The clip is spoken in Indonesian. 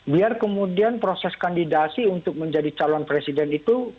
biar kemudian proses kandidasi untuk menjadi calon presiden itu